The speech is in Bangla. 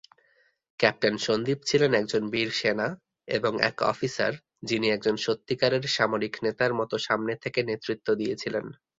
ক্যাপ্টেন সন্দীপ ছিলেন একজন বীর সেনা এবং এক অফিসার, যিনি একজন সত্যিকারের সামরিক নেতার মতো সামনে থেকে নেতৃত্ব দিয়েছিলেন।